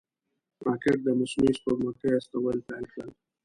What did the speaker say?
راکټ د مصنوعي سپوږمکیو استول پیل کړل